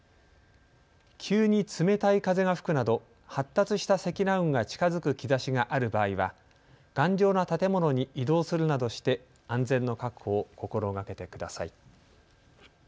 急に冷たい風が吹くなど発達した積乱雲が近づく兆しがある場合は頑丈な建物に移動するなどして安全の確保を心がけてください。